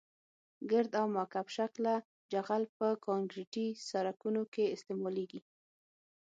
ګرد او مکعب شکله جغل په کانکریټي سرکونو کې استعمالیږي